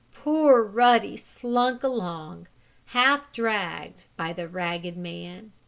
Poor Ruddy slunk along, half dragged by the ragged man.